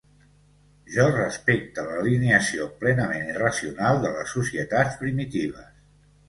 Jo respecte l'alienació plenament irracional de les societats primitives.